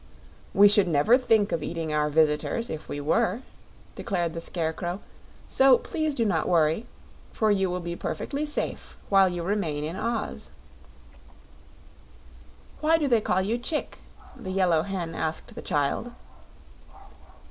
"We should never think of eating our visitors, if we were," declared the Scarecrow; "so please do not worry, for you will be perfectly safe while you remain in Oz." "Why do they call you Chick?" the Yellow Hen asked the child.